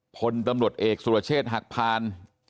พลตำรวจเอกสุรเชษฐ์หักพาน